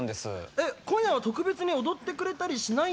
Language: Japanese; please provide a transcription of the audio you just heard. えっ今夜は特別に踊ってくれたりしないのか。